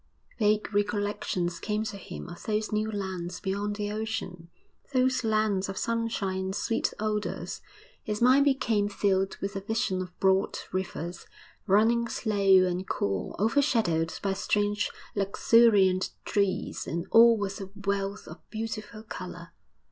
Vague recollections came to him of those new lands beyond the ocean, those lands of sunshine and sweet odours. His mind became filled with a vision of broad rivers, running slow and cool, overshadowed by strange, luxuriant trees. And all was a wealth of beautiful colour.